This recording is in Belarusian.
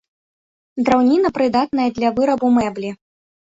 Драўніна прыдатная для вырабу мэблі.